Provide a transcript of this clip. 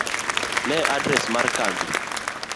ne adres mar kambi.